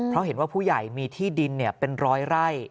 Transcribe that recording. เพราะเห็นว่าผู้ใหญ่มีที่ดินเป็นร้อยไร่